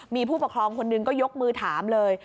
มีผู้ปกครองคนหนึ่งก็ยกมือถามเลย